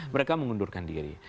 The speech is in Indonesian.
mereka mengundurkan diri